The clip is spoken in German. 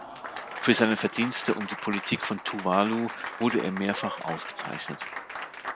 Für seine Verdienste um die Politik von Tuvalu wurde er mehrfach ausgezeichnet.